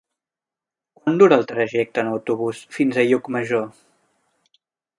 Quant dura el trajecte en autobús fins a Llucmajor?